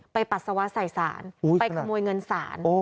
ปัสสาวะใส่ศาลไปขโมยเงินศาล